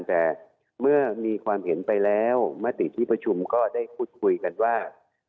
แต่เมื่อมีความเห็นไปแล้วมติที่ประชุมก็ได้พูดคุยกันว่า